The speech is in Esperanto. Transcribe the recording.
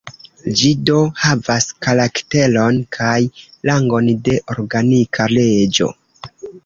Ĝi do havas karakteron kaj rangon de "organika leĝo".